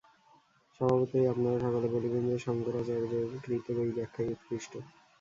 স্বভাবতই আপনারা সকলে বলিবেন যে, শঙ্করাচার্যকৃত এই ব্যাখ্যাই উৎকৃষ্ট।